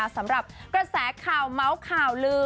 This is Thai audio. สำหรับกระแสข่าวเมาส์ข่าวลือ